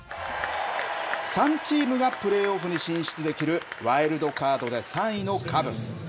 ３チームがプレーオフに進出できるワイルドカードで３位のカブス。